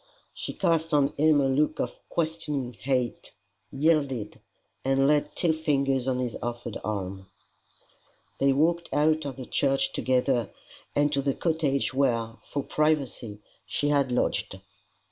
She cast on him a look of questioning hate, yielded, and laid two fingers on his offered arm. They walked out of the church together and to the cottage where, for privacy, she had lodged.